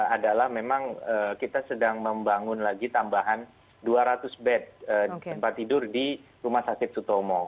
adalah memang kita sedang membangun lagi tambahan dua ratus bed tempat tidur di rumah sakit sutomo